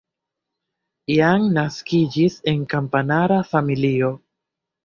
Jan naskiĝis en kamparana familio.